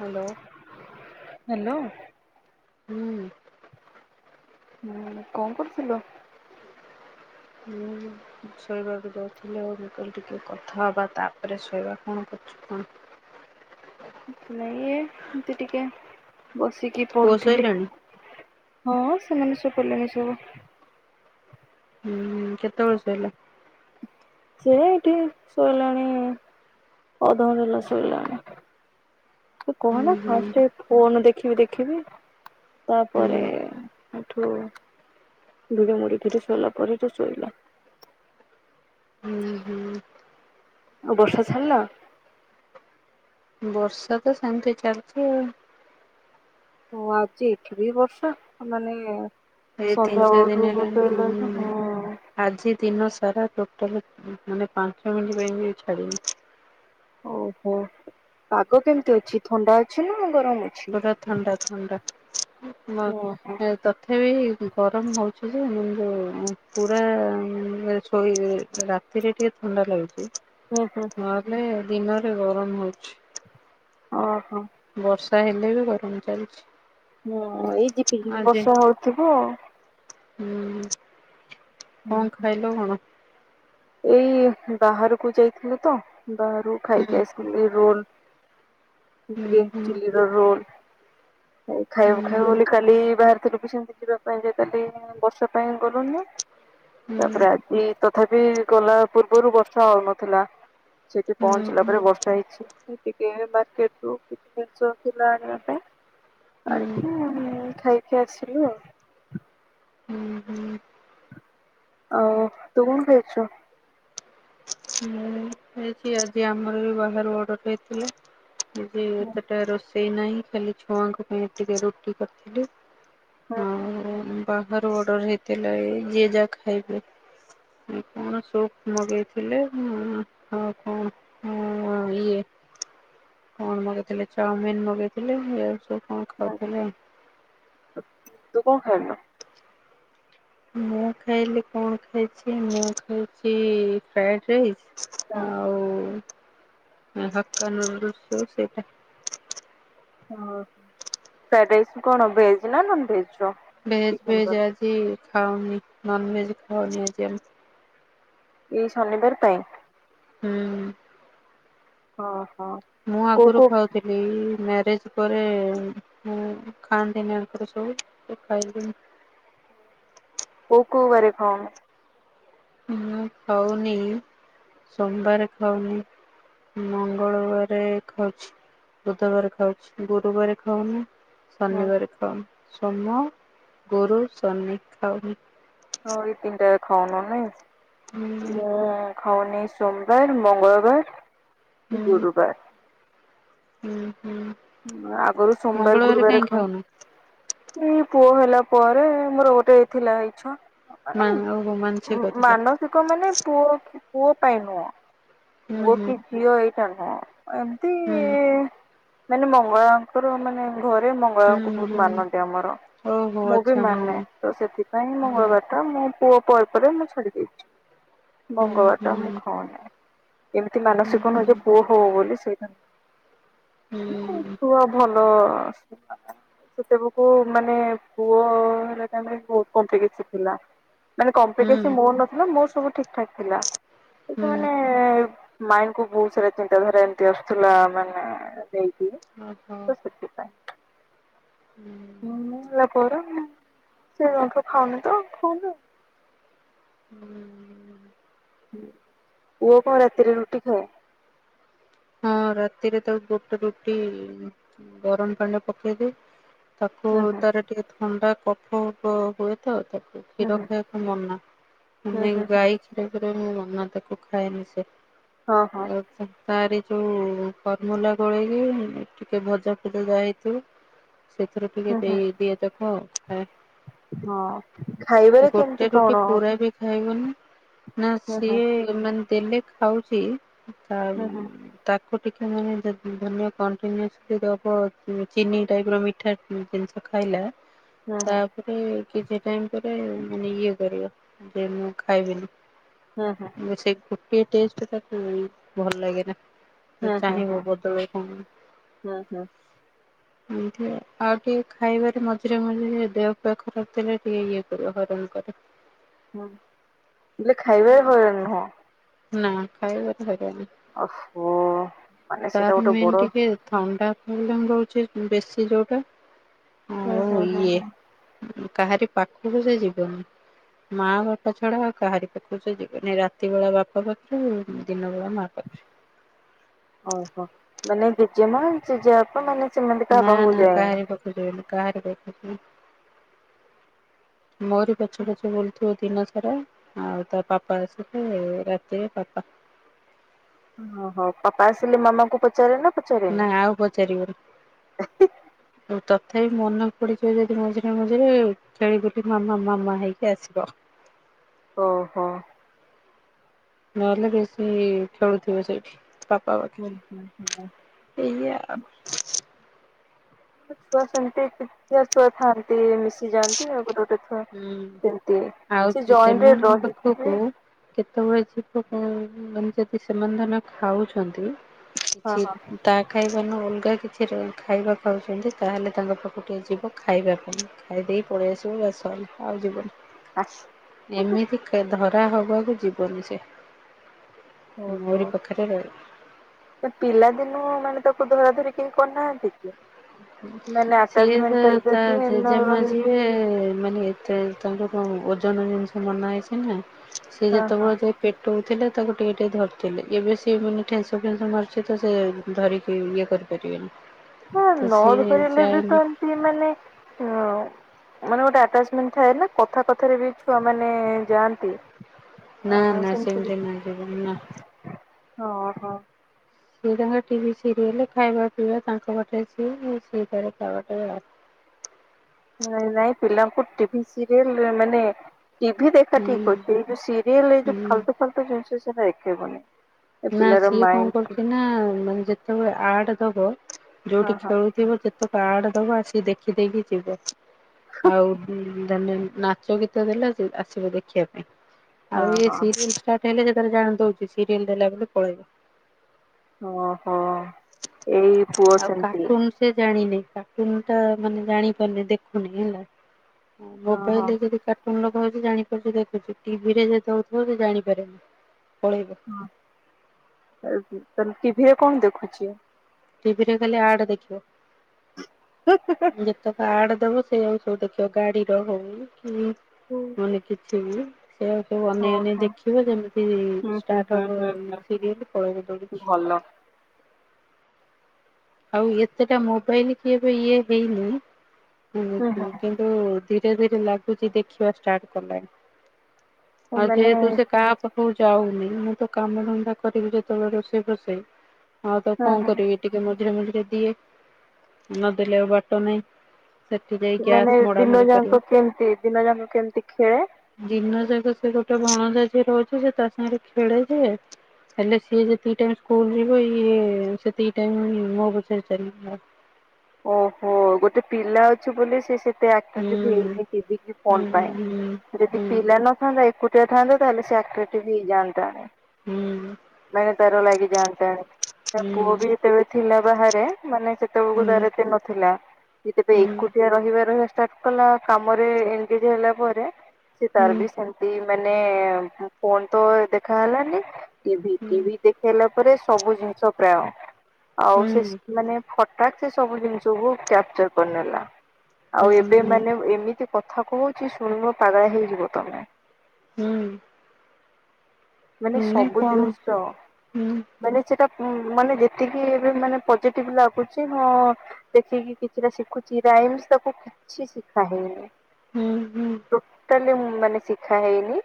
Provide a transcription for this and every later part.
Hello. Hello. ହୁଁ। ହୁଁ, ନେ କଣ କରୁଥିଲ? [unintelligible] ଶୋଇବାକୁ ଯାଉଥିଲି ଆଉ ମୁଁ କହିଲି ଟିକେ କଥା ହବା ତାପରେ ଶୋଇବା। କଣ କରୁଛୁ କଣ? କିଛି ନାଇଁ ଏ ଏମତି ଟିକେ ବସିକି ପୁଅ ପଢୁଥିଲି। ଶୋଇଲାଣି ହଁ ସେମାନେ ଶୁଇପଲେଣି ସବୁ। ହୁଁ ହୁଁ କେତେବେଳେ ଶୋଇଲେ? ସେ ଏଠି ଶୋଇଲାଣି ଅଧ ଘଣ୍ଟେ ହେଲା ଶୋଇଲାଣି। ଏ ହୁଁ କହନା ହୁଁ ଫାଷ୍ଟ ଫୋନ୍ ଦେଖିବି ଦେଖିବି ହୁଁ। ତାପରେ ଏଠୁ ଧୁଡ଼ ମୁଡି କିରି ଶୋଇଲା ପରେ ତ ଶୋଇଲା। ହୁଁ ହୁଁ ଆଉ ବର୍ଷା ଛାଡ଼ିଲା? ବର୍ଷା ତ ସେମିତି ଚାଲିଛି ଆଉ। ଓ ଆଜି ଏଠି ବର୍ଷ ମାନେ ଏଇ ତିନି ସନ୍ଧ୍ୟା ଚାରି ଦିନ ବେଳଠୁ [unintelligible] ହେଲାଣି ବତେଇଲା ହୁଁ। ହଁ ଆଜି ଦିନ ସାରା ଟୋଟାଲ ମାନେ ପାଞ୍ଚ ମିନିଟ ପାଇଁ ବି ଛାଡିନି ଓହୋ ପାଗ କେମିତି ଅଛି ଥଣ୍ଡା ଅଛି ନା ଗରମ ଅଛି? ପୁରା ଥଣ୍ଡା ଥଣ୍ଡା ମ [unintelligible] ଓହୋ ହୁଁ ତ ତଥାପି ଗରମ ହେଉଛି [unintelligible] ଯେନ୍ତ ପୁରା ଶୋଇ [unintelligible] ରା ରାତିରେ ଟିକେ ଥଣ୍ଡା ଲାଗୁଛି। ହୁଁ ହୁଁ ହୁଁ। ନାହିଁ ଦିନରେ ଗରମ ହଉଛି। ଓହୋଁ। ବର୍ଷା ହେଲେ ବି ଗରମ ଚାଲିଛି। ହୁଁ ଏଇ ଯିପି ଯିପି ଆଜି ବର୍ଷା ହଉଥିବ। ହୁଁ କଣ ଖାଇଲ କଣ? ଏଇ ବାହାରକୁ ଯାଇଥିଲେୁ ତ ବାହାରକୁ ହୁଁ ଖାଇକି ଆସି ରୋଲ ହୁଁ ଗ୍ରୀନ୍ ହୁଁ ଚିଲି ର ରୋଲ ଖାଇବ ଖାଇବ ହୁଁ ବୋଲି କାଲି ବାହାରି ଥିଲୁଭି ସେମିତି ଯିବା ପାଇଁ ଯେ ତାଲି ବର୍ଷା ପାଇଁ ଗଲୁନି ହୁଁ ତାପରେ ଆଜି ତଥାପି ଗଲା ପୂର୍ବରୁ ବର୍ଷା ହଉ ନଥିଲା ସେଠି ହୁଁ ହୁଁ ହୁଁ ପହଞ୍ଚିଲା ପରେ ବର୍ଷା ହେଇଛି। ଟିକେ ମାର୍କେଟ ରୁ କିଛି ଜିନିଷ ଥିଲା ଆଣିବା ପାଇଁ ହୁଁ ଆଣିକିରି [unintelligible] ଖାଇକି ଆସିଲୁ ଆଉ ହୁଁ ହୁଁ। ଆଉ ତୁ କଣ ଖାଇଛୁ? ହୁଁ ହେଇଛି ଆଜି ଆମର ବି ବାହାରୁ ଅର୍ଡର ହେଇଥିଲା। ଯେ ଏତେଟା ରୋଷେଇ ନାହିଁ ଖାଲି ଛୁଆଙ୍କ ପାଇଁ ଟିକେ ରୁଟି କରିଥିଲି ହୁଁ ହୁଁ ହୁଁ। ବାହାରୁ ଅର୍ଡର ହେଇଥିଲା ଏ ଯିଏ ଯାହା ଖାଇବେ [unintelligible] ମୁଁ କଣ ସୁପ ମଗେଇ ହେଲେ [unintelligible] ଇଏ କଣ ମଗେଇଥିଲେ ଚାଉମିନ ମଗେଇଥିଲେ ଏ ସବୁ କଣ ଖାଉଥିଲେ ଆଉ। ତୁ କଣ ଖାଇିଲୁ? ମୁଁ ଖାଇଲି କଣ ଖାଇଛି ମୁଁ ଖାଇଛି ଫ୍ରାଏଡ୍ ରାଇସ୍ ହୁଁ। [unintelligible] ହକ [unintelligible] ନୁୁ ଶ ସେଇଟା। ଓ ଫ୍ରାଇଡ ରାଇସ୍ କଣ ଭେଜ ନା ନନ ଭେଜ ର ଭେଜ ଚିକେନ କର ଭେଜ ଆଜି ଖାଉନି ନନ୍ସ ଭେଜ ଖାଅନି ଆଜି ଆମେ ଏଇ ଶନିବାର ପାଇଁ ହୁଁ। ହଁ ହଁ। ମୁଁ କୋଉ ଆଗରୁ କୋଉ ଖାଉ ଥିଲି ମ୍ୟାରେଜ ପରେ ମୁ ଖାଆନ୍ତିନି ଆଙ୍କର ସବୁ ସେ [unintelligible] ଖାଇଦ କୋଉ କୋଉ ବାର ଖାଆନି ମୁଁ ଖାଉନି ସୋମବାର ଖାଉନି ମଙ୍ଗଳବାର ଖାଉଛି ଦୁଧବରେ ଖାଉଛି ଗୁରୁବାର ଖାଉନି ହୁଁ ଶନିବାରେ ଖାଉନି ସୋମ ଗୁରୁ ଶନି ଖାଉନି। ହଉ ଏଇ ତିନିଟା ଖାଉନ ନେଇ ହୁଁ ମୁଁ ଖାଉନି ସୋମବାର ମଙ୍ଗଳବାର ହୁଁ ଗୁରୁବାର ହୁଁ ହୁଁ। [unintelligible] ଆଗରୁ ସୋମବାର ମଙ୍ଗଳବାର ଗୁରୁବାର କାହିଁ ଖାଉଁ। ଖାଉନୁ ଏଇ ପୁଅ ହେଲା ପରେ ମୋର ଗୋଟେ ଥିଲା ଇଛା ମା ମାନେ ଓହୋ ମାନସି [unintelligible] କରିଥିଲା ମାନସିକ ମାନେ ପୁଅ ପୁଅ ପାଇଁ ନୁହଁ। ହୁଁ ପୁଅ ହୁଁ କି ଝିଅ ହେଇଥାନ୍ତା ଏମିତି ହୁଁ। [inaudible] ମାନେ ମଙ୍ଗଳାଙ୍କର ମାନେ ଘରେ ମ ମଙ୍ଗଳାଙ୍କୁ ହୁଁ ବହୁତ ହୁଁ ମାନନ୍ତି ଆମର ଓହୋ ମୁଁ ବି ଆଚ୍ଛା ହଁ ମାନେ ତ ସେଥିପାଇଁ ହୁଁ ମଙ୍ଗଳବାର ଟା ମୁଁ ପୁଅ ପରେ ପରେ ମୁଁ ଛାଡି ଦେଇଛି ହୁଁ ମଙ୍ଗବାର ହୁଁ ଟା ମୁଁ ହଁ ଏମିତି ହୁଁ ମାନସିକ ନୁହଁ ଯେ ହୁଁ ପୁଅ ହଉ ବୋଲି ସେଇଟା [unintelligible] ହୁଁ ପୁଅ ଭଲ। [inaudible] ସେତେବେଳ କୁ ମାନେ ପୁଅ ହେଲା ଟାଇମ ରେ ବହୁତ କପ୍ଲିକେଟ ଥିଲା। ମାନେ କପ୍ଲିକେସ ନେଉନଥିଲା ମୋର ସବୁ ଠିକି ଠାକ୍ ଥିଲା କିନ୍ତୁ ହୁଁ ମାଇଣ୍ଡି କୁ ବହୁତ ସାରା ଚିନ୍ତାଧାରା ଏମତି ଆସୁଥିଲା ମାନେ ନେଇକି ଓ ହୋ। ତ ସେଥିପାଇଁ। ହୁଁ। ମୁଁ ଇଏ କରେ ସେ ଏମିତି ଖାନ୍ତି ତ [unintelligible] ହୁଁ। ହୁଁ ପୁଅ କୁ କଣ ରାତିରେ ରୁଟି ଖୁଆ। ହଁ ରାତିରେ ତାକୁ ଗୋଟେ ରୁଟି ଗରମ ପାଣିରେ ପକେଇଦିଏ ତାକୁ ହୁଁ ହୁଁ। ତାର ଟିକେ ଥଣ୍ଡା କଫ ହୋ ହୁଏ ତ ତାକୁ ସେ ହୁଁ କ୍ଷୀର ହୁଁ ଖାଇବାକୁ ମନା ସେନାକି ହୁଁ ହୁଁ ଗାଈ ସେଇଥିପାଇଁ ମନା ତାକୁ ଖାଏନି ସେ ହୁଁ ହଁ ହଁ [unintelligible] ତାରି ଯୋଉଁ ଫର୍ମୁଲା ଗୋଳେଇକି ଟିକେ ଭଜା ଫଜା ଯାହା ହେଇଥିବ। ସେଥିରୁ ହୁଁ [unintelligible] ହୁଁ ଏମିତିଆ କଥା ହଁ। ହଁ ଖାଇବାରେ କେମିତି ରୁଟି କଣ? ପୁରା ବି ଖାଇବନି ନା ହୁଁ ହୁଁ ସିଏ ମାନେ ଦେଲେ ଖାଉଚି। ଆଉ ହୁଁ ହୁଁ ତାକୁ ଟିକେ ନହେଲେ ଦ କଣ୍ଟିନିଅସ ଦବ ଚିନି ଟାଇପର ମି ମିଠା ଜିନିଷ ଖାଇଲା ହୁଁ ତା ହୁଁ ଏ କିଛି ଟାଇମ ପରେ ମାନେ ଇଏ କରିବ ଯେ ମୁଁ ଖାଇବିନି। ହଁ ହଁ। ମୋର ସେଇ ଗୋଟିଏ ଟେଷ୍ଟ ତାକୁ ଭଲ ଲାଗେ ନା। ସେ ହୁଁ ହୁଁ ଚାହେଁ ବଦଳେଇ ପାଇଁ। ହୁଁ ହୁଁ ହୁଁ ଏମତି ଆଉ ଆଉ ଟିକେ ଖାଇବାରେ ମଝିରେ ମଝିରେ ଦେହ ପା ଖରାପ ଥିଲେ ଇଏ କରେ ହଇରାଣ କରେ। ହୁଁ ଇଏ ଖାଇବାରେ ହଇରାଣ ନୁହଁ। ନାଁ ଖାଇବାରେ ହଇରାଣ ନୁ। ଓ ହୋ ତାହାଲେ ସେଇଟା ଗୋଟେ ମେନ୍ ବଡ଼ ଟିକେ ଥଣ୍ଡା ପ୍ରୋବ୍ଲେମେ ରହୁଛି ବେଶୀ [unintelligible] ହୁଁ ଆଉ ହୁଁ ହୁଁ ଇଏ ହୁଁ କାହାରି ପାଖକୁ ସେ ଯିବନି। ମା ବାପା ଛଡା ଆଉ କାହାରି ପାଖକୁ ସିଏ ଯିବେନି ରାତି ବେଳା ବାପା ପାଖକୁ ଦିନ ବେଳା ମା ପାଖରେ। ଓହୋ ମାନେ ଜେଜେମା ଜେଜେବାପା ମାନେ ସେମାନେ କାହା ପାଖକୁ ଯାଏନି। ସେ କାହାରି ପାଖକୁ ମୋରି ପଛେ ପଛେ ବୁଲୁଥିବ ଦିନ ସାରା ଆଉ ତ ପାପା ଆସିଲେ ରାତିରେ ପାପା। ଓହୋ ପାପା ଆସିଲେ ମାମାଙ୍କୁ ପଚାରେ ନା? ନାଁ ପଚାରେନି ଆଉ ପଚାରିବନି। ଆଉ ତଥାପି ମନ ପଡିଯିବ ଯଦି ମଝିରେ ମଝିରେ ତାହାଲେ ହେଟୁ ମାମା ମାମା ହେଇକି ଆସିବ। ଓହୋ। ନହେଲେ ବେଶୀ ଖେଳୁଥିବ ସେଇଠି ତା ହୁଁ ହୁଁ ହୁଁ ଏଇଆ ଆଉ- ଛୁଆ ସେମିତି କେଛି ଛୁଆ ଥାଆନ୍ତି ମିଶିଯାଆନ୍ତି ଆଉ ଗଟେ - ହୁଁ। ସେମିତି ଆଉ ସେ ଜଏନ ରେ ସେମାନଙ୍କ ପାଖକୁ ରହିଥିବେ [unintelligible] କେତେବେଳେ ଯୀବ ମାନେ ଯଦି ସେମାନେ ଧନ ଖାଉଛନ୍ତି ହଁ କିଛି ହଁ ତା ଖାଇବା ନ ଅଲଗା କିଛି ଖାଇବା ଖାଉଛନ୍ତି ତାହେଲେ ତାଙ୍କ ପାଖକୁଟିିକଏ ଯିବ ଖାଇବା ପାଇଁ ଖାଇ ଦେଇ ପଳେଇ ଆସିବ ବାସ। ଆଉ ହା ଯିବନି। ଏମିତି ଧରା ହବ ଯେ ଯିବ ନି। ବଛି [inaudible] ଓହୋ ପିଲା ଦିନୁ ମାନେ ତାକୁ ଧରା ଧରି କେହି କରିନାହାନ୍ତି କି? ମାନେ ସିଏ ତ ଆଟାଚମେଣ୍ଟ ତା ଯଦି ନ ଜେଜେମା ରହିବ ଯିଏ - ମାନେ ଏତେ ତାଙ୍କର ଓଜନ ଜିନିଷ ମନା ହେଇଛି। ନା ସେ ହଁ ହଁ ଯେତେବେଳେ ଯେ- ପେଟଉଥିଲେ ତାକୁ ଟିକେ ଟିକେ ଧରିଥିଲେ ଏବେ ସିଏ ମାନେ ଠେସ ଫେନ୍ସ ମାରୁଛି ତ ସେ ଧରିକି ଇଏ କରି। କରିିବେନି। ହଁ ନଧରିଲେ ବି ତ ଏମିତି ମାନେ ମାନେ ଗୋଟେ ଆଟାଚମେଣ୍ଟ ଥାଏ ନା କଥା କଥାରେ ବି ଛୁଆ ମାନେ ଯାଆନ୍ତି। ନା ନା ସେମିତି ନ ଯିବ ନା। ହଁ ହୋ ସିଏ ତାଙ୍କ ଟିଭି ସିରିଏଲ ଖାଇବା ପିଇବା ତାଙ୍କ ପାଟେ ସିଏ ସେଇଠରେ ଖବାଟେ ନାଇଁ ନାଇଁ ପିଲାଙ୍କୁ ଟିଭି ସିରିଏଲ ମାନେ ଟିଭି ଦେଖା ହୁଁ ଠିକ୍ ଅଛି ଏଇ ଯୋଉ ସିରିଏଲ ଏଇ ଯୋଉ ହୁଁ ଆଲତୁ ଫାଲତୁ ଜିନିଷ ସେଇଟା ଦେଖେଇବନି। ଏ ନା ପିଲାର ସିଏ କଣ ମାଇଣ୍ଡ କରୁଛି ନା ମାନେ ଯେତେବେଳେ ଆର୍ଟ ଦବ ହଁ ଯୋଉଠି ହଁ। ଖେଳୁ ଥିବ ଯେତେ କାର୍ଡ ଦବ ଆସିକ ଦେଖିଦକି ଯିବ ଆଉ-। ଧାନେ ନାଚ ଗୀତ ଦେଲା ଆସିବ ଦେଖିବା ପାଇଁ ହଁ ଆଉିରି ହଁ [unintelligible] ହେଲେ ଯେତେବେଳୋଣ ଦଉଛି ସିରିଏଲ ଦେଲା ବ ପଳେଇବା। ଓହୋ ଏଇ ପ [inaudible] ଆଉ କାର୍ଟୁନ ସେ ଜାଣିନି କାର୍ଟୁନ ଟା ମାନେ ଜାଣି ପାରୁନି ଦେଖୁନି ହେଲା। ହଁ ହଁ ମୋବାଇଲ ଯଦି କଣ ଲୋକ ହଉଛି ଜାଣିପାରୁଛି ଦେଖୁଛି ଟିଭି ରେ ଦଉଥିବ ସେ ଜାଣିପାରନି ପଳେଇବ। ହଁ ତାଲେ ଟିଭିରେ କଣ ଦେଖୁଛି? ଟିଭିରେ ଖାଲି ଆଡ ଦେଖିବ। ଆଡ ଦବ ସେଇ ଆଉ ସବୁ ଦେଖିବ ଗାଡିର ହଉନ କି ମାନେ କିଛିବି। ସେ ଆଉ ସବୁ ଅନେଇ ଓହୋ ଅନେଇ ହୁଁ ଦେଖିବ ଯେମିତି ହୁଁ ଷ୍ଟାର୍ଟ ହୁଁ ହୁଁ ହେବ ହୁଁ ସିରିଏଲ ପଳେଇବେ ଦୌଡି କି। ଭଲ ଆଉ ଏତେଟା ମୋବାଇଲ କି ଏବେ ଇଏ ହେଇନି। ହୁଁ ହୁଁ ତ ଧୀରେ ଧୀରେ ଲାଗୁଛି ଦେଖିବା ଷ୍ଟାର୍ଟ କଲାଣି। ଆଉ ମାନେ ଯେହେତୁ ସେ କାହାର ତୁ ଯାଉନି ମୁଁ ତ କାମଧନ୍ଦା କରିବି ଯେତେବେଳେ ରୋଷେଇ ଫଷେଇ ଆଉ ତ ହଁ କଣ ହଁ କରିବି। ଟିକେ ମଝିରେ ମଝିରେ ଦିଏ ନଦେଲେ ଆଉ ବାଟ ନାହିଁ। ସେଠି ଯାଇ ଗ୍ୟାସ୍ ମାନେ ମଡା ଦିନ ମଡି କରିବ। ଯାକ କେମତି ଦିନ ଯାକ କେମିତି ଖେଳେ। ଦିନ ଯାକ ସେ ଗୋଟେ ଭଣଜା ଯିଏ ରହୁଛି ସେ ତା ସାଙ୍ଗରେ ଖେଳେ ଯେ ହେଲେ ସି ଯେ ଯେତିକି ଟାଇମ ସ୍କୁଲ ଯିବ ସେତିକି ଟାଇମ ମୋ ପଛେ ଚାଲିବ। ଓହୋ ଗୋଟେ ପିଲା ଅଛି ବୋଲି ସେ ସେତ ହୁଁ ଅଟ୍ରାକଟିଭ ହେଇନି ଟିଭି କି ହୁଁ ଫୋନ ପାଇଁ। ଯଦି ହୁଁ ପିଲା ନଥାନ୍ତା ଏକୁଟିଆ ଥାନ୍ତା ତାହେଲେ ଚାିରଟି ବି ହେଇଯାନ୍ତା। ହୁଁ ହୁଁ ମାନେ ତାର ଲାଗି ଜାଣିତା ପୁଅ ହୁଁ। ବି ଏତେବେଳେ ଥିଲା। ବାହାରେ ମାନେ ସେତବେଳକୁ ନାଇଁ ଧାରତ ନଥିଲା। କି କଣ ତେବେ ହୁଁ ଏକୁଟିଆ ରହିବ ରହ ଷ୍ଟାର୍ଟ କଲା କାମରେ ଏନଗେଜ ହେଲା ପରେ। ସେ ତାର ହୁଁ ବି ସେମତି ମାନେ ଫୋନ ତ ଦେଖାହଲାନି। ସେ ବଟି ବି [inaudible] ଦେଖେଇଲା ପରେ ସବୁ ଜିନିଷ ପ୍ରାୟ ଆଉ ସେ ମାନେ ଫଟାକ ସବୁ ଜିନିଷ କୁ କ୍ୟାପଚର କରିନେଲା ଆଉ ଏବେ ମାନେ ଏମିତି କଥା କହୁଛି ଶୁଣିବ ପାଗଳା ହେଇଯିବ ତମେ। ହୁଁ। ମାନେ ସବୁ ଦୁଷ୍ଟ। ମାନେ ସେଟା ମାନେ ଯେତିକି ଏବେ ମାନେ ପଜିଟିଭ ଲାଗୁଛି ହଁ ଦେଖିକି କିଛିଟା ଶିଖୁଛି ରାଇମସ ତାକୁ କିଛି ଶିଖା ହେଇନି। ହୁଁ ଟୋଟାଲି ମାନେ ଶିଖା ହେଇନି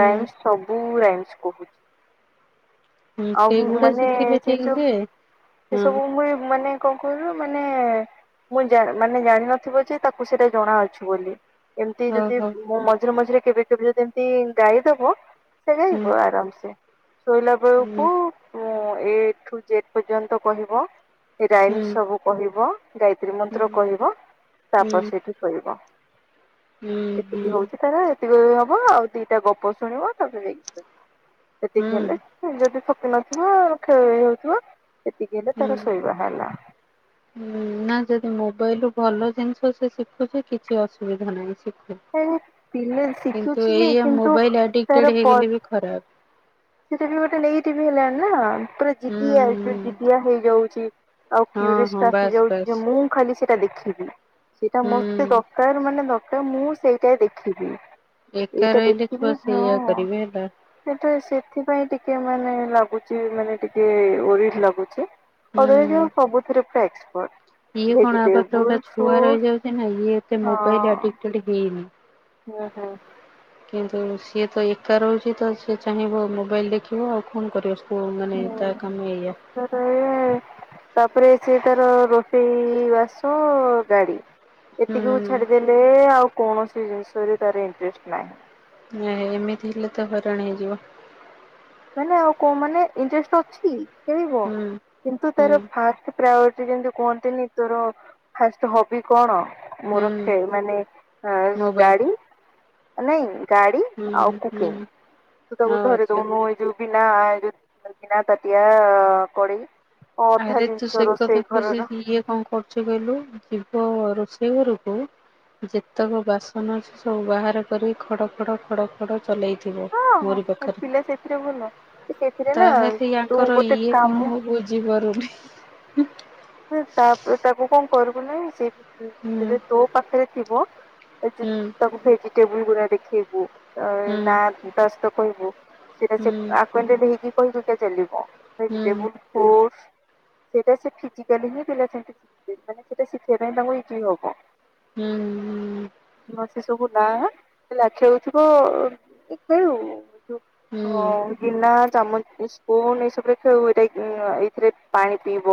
ରାଇ ମସ ସବୁ। ବୁ ରାଇମ୍ସ କହୁଛି। ଆଉ ସେଇଗୁଡା ମାନେ ଶିଖିଲେ ସେ ଠିକ ଯେ ସବ ସେ ହଁ ସବୁ ମୁ ମାନେ କଣ କହିବୁ ମାନେ ମୁଁ ମାନେ ଜାଣିନଥିବ ଯେ ତାକୁ ସେଇଟା ଜଣାଅଛି ବୋଲି। ଏମିତି ଯଦି ଓହୋ ମୁଁ ମଝିରେ ମଝିରେ କେବେ କେବେ ଯଦି ଏମିତି ଗାଈଦବ। ହୁଁ ସୋଇବ ଆରାମ ସେେ ଶୋଇଲା ବେଳକୁ ହୁଁ ଏ ଠୁ ଜେଡ୍ ପର୍ଯ୍ୟନ୍ତ କହିବ। ହୁଁ ରାଇମସ୍ ସବୁ କହିବ ଗାୟତ୍ରୀ ହୁଁ ମନ୍ତ୍ର ହୁଁ କହିବ ହୁଁ ହୁଁ ହୁଁ ତାପରେ ହୁଁ ହୁଁ ସେଇଠି ଏତିକି ହଉଛି ତାର ଏତିକି ହବ ଆଉ ଦିଟା ଗପ ଶୁଣିବ ହେ ସେତିକି ହେଲେ ଯଦି ଶକି ନଥଥିବା ହଉଥିବା ସେତିକି ହେଲେ ତାର ଶୋଇବା ହେଲା। ହ ନା ଯଦି ମୋବାଇଲ ରୁ ଭଲ ଜିନିଷ ସେ ଶିଖୁଛି କିଛି ଅସୁବିଧା ନାହିଁ ଶିଖୁ। ଆରେ ପିଲା କିନ୍ତୁ ଶିଖୁଛି ଯେ ଏଇଆ କିନ୍ତୁ ମୋବାଇଲ ଆଡିକଟଡ ହେଇଗଲେ ବି ଖରାପ। ସେଟ ବି ଗୋଟେ ନେଇକି ବି ହେଲାଣି ନା ପୁର ଜଆ ହୁଁ ଯୋଉ ହୁଁ ଜତିଆ ହେଇଯାଉଛି ଆଉ ହଁ ହଁ କରିଷ୍ଟ ଆସି ବାସ୍ ଯାଉଛି ବାସ୍ ଯେ ମୁଁ ଖାଲି ସେଟା ଦେଖିବି ସେଇଟା ହୁଁ ମତେ ଦରକାର ମାନେ ଦ ତ ମୁଁ ସେଇଟା ଦେଖିବି ଏକା ଏଇଟା ରହିଲେ ଛୁଆ ଦେଖିବି ସେଇଆ ହଁ। କରିବେ ହେଲା ସେଟା ସେଥିପାଇଁ ଟିକେ ମାନେ ଲାଗୁଛି ମାନେ ଟିକେ ଓରିଡ୍ ଲାଗୁଛି। ହୁଁ। ସବୁଥିରେ ଏକ୍ସପର୍ଟ। ଇଏ କଣ ପାଖରେ ଗୋଟେ ଭେଜିଟେବୁଲ ଛୁଆ ଫ୍ରୁଟ ରହିଯାଉଛି ନା ଇଏ ଏତେ ମୋବାଇଲ ଆଡିକ୍ତେଡ ହେଇନି। ହଁ ହଁ। କିନ୍ତୁ ସିଏ ତ ଏକା ରହୁଛି ତ ସିଏ ଚାହିଁବ ମୋବାଇଲ ଦେଖିବ ଆଉ କଣ କରିବ। ହଁ ମାନେ ତା ହୁଁ। କମ ଏଇଆ।। [inaudible] ତାପରେ ସେ ତାର ରୋଷେଇ ବାସ ଗାଡି। ହୁଁ ଏତିକିକୁ ଛାଡିଦେଲେ ଆଉ କୌଣସି ଜିନିଷରେ ତାର ଇଣ୍ଟରେଷ୍ଟ ନାହିଁ। ନ ଏମିତି ହେଲେ ତ ହଇରାଣ ହେଇଯିବ। ମାନେ ଆଉ କ ମାନେ ଇଣ୍ଟଷ୍ଟ ଅଛି ଖେଳିବ। ହୁଁ। କିନ୍ତୁ ହୁଁ ତାର ଫାଷ୍ଟ ପ୍ରାୟୋରିଟି ଯେମତି କୁହନ୍ତିନି ତୋର ଫାଷ୍ଟ ହବି କଣ? ମୋ ହୁଁ ରଖେ ମାନେ ଅ ମୋବାଇଲ ଗାଡି ନାଇଁ। ଗାଡି ହୁଁ ଆଉ କୁକ ହୁଁ ତୁ ତାକୁ ଆଉ ଧରି ଆଚ୍ଛା। ଦଉନୁ ଏ ଜୁବନାୁବିନା ତାଟିଆ କୋଡି। ଆରେ ତୁ ସେ କଥା କୁ ଇଏ କଣ କରୁଛୁ। ଛିଗ ଯିବ ରୋ ସେେଇ ଘରେକୁ। ଯେତେକ ବାସନ ଅଛି ସବୁ ବାହାର କରି ଖଡ଼ ଖଡ଼ ଚଲେଇଥିବ ହଁ ମୋରି ହଁ ପାଖରେ ପିଲା ସେଥିରେ ଭଲ ସେଥିରେ ନା ତାହେଲେ ତୁ ତାଙ୍କର ଗୋଟେ ଇଏ କଣ କାମ ମୁଁ ବୁଝିପାରୁନି। ତାକୁ କଣ କରିବୁନା ହୁଁ ସେଯେ ତୋ ପାଖରେ ଥିବ। ହୁଁ ତାଙ୍କୁ ଭେଜିଟେବୁଲ ଗୁଡା ଦେଖେଇବୁ। ହୁଁ ନା ତା ସହିତ କହିବୁ ସିଏ ଯେତେ ହୁଁ ଆକୁଏଣ୍ଟେଡ କହିକି ସେଇଟା ଚାଲିବ। ହୁଁ ଭେଜିଟେବଲ୍ ଫ୍ରୁଟସ୍ ସେଇଟା ସିଖିଚି। ହେଲେ ହିଁ ପିଲା ସେମିତି ଶିଖିବ ମାନେ ସେଟ ଶିଖିବା ପାଇଁ ତାଙ୍କୁ ଇଯି ହବ। ହୁଁ ହୁଁ। ହ ସେ ସବୁ ନା ହେଲା ଖେଳୁଥିବ ହଉଥିବ ସେ ଖେଳୁ ହୁଁ ହଁ। ଗିନା ଚାମଚ ସ୍ପୁନ ଏଇସବୁରେ ଖେଳୁ ଏଇଟା ଏଇଥିରେ ପାଣି ପିଇବ